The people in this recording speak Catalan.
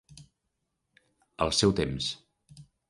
Al seu temps.